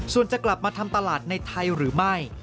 ส่วนจะกลับมาทำตลาดในไทยหรือไม่